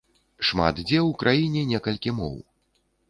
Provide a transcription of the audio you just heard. Шмат дзе ў краіне некалькі моў.